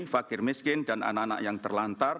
fakir miskin dan anak anak yang terlantar